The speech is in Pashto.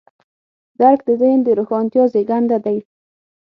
درک د ذهن د روښانتیا زېږنده دی.